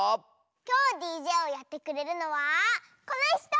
きょうＤＪをやってくれるのはこのひと！